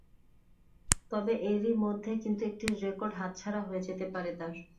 তবে এরই মধ্যে কিন্তু একটি রেকর্ড হাতছাড়া হয়ে যেতে পারে তাঁর।